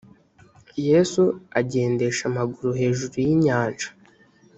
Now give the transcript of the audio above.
yesu agendesha amaguru hejuru y inyanja